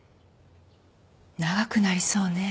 長くなりそうね。